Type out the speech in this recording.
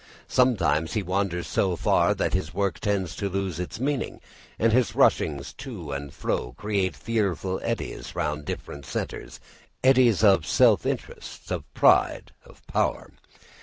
Sometimes he wanders so far that his work tends to lose its meaning, and his rushings to and fro create fearful eddies round different centres eddies of self interest, of pride of power.